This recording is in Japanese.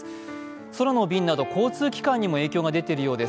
空の便など交通機関にも影響が出ているようです。